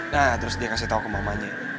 nah terus dia kasih tau ke mamanya